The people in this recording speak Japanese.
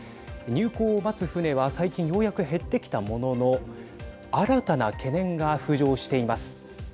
入港を待つ船は最近ようやく減ってきたものの新たな懸念が浮上しています。